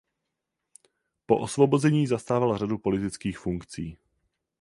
Po osvobození zastával řadu politických funkcí.